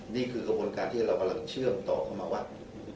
นี่คือกระบวนการที่เรากำลังเชื่อมต่อเข้ามาว่า